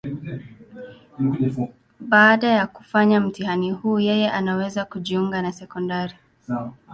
Baada ya kufanya mtihani huu, yeye anaweza kujiunga na sekondari.